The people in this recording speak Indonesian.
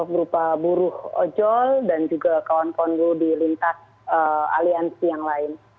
berupa buruh ojol dan juga kawan kawan guru di lintas aliansi yang lain